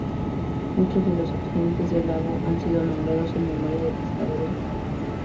Muchos de los accidentes del lago han sido nombrados en memoria de pescadores locales.